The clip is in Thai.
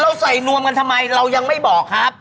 ใส่นวมกันทำไมเรายังไม่บอกครับ